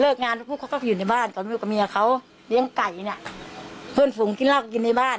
เลิกงานพวกเขาก็อยู่ในบ้านกับเมียเขาเลี้ยงไก่น่ะเพื่อนฝูงกินราวก็กินในบ้าน